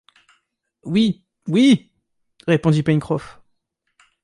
Oui… oui !… répondit Pencroff